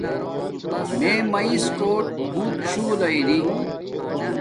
میے میآ مس کوٹ بوت شُولہ اری